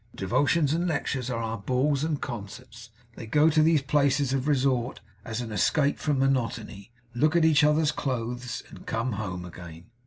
Devotions and lectures are our balls and concerts. They go to these places of resort, as an escape from monotony; look at each other's clothes; and come home again.